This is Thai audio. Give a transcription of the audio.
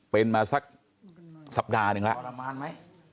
เป็นมาสักสัปดาห์นึงละ